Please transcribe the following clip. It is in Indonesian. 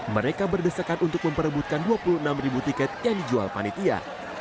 mereka berdesakan untuk memperebutkan dua puluh enam ribu tiket yang dijual panitia